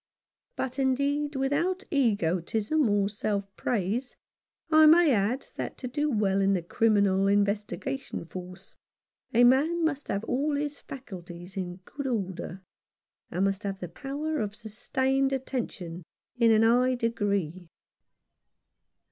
But, indeed, without egotism or self praise, I may add that to do well in the Criminal Investigation Force, a man must have all his faculties in good order, and must have the power of sustained attention in a high degree.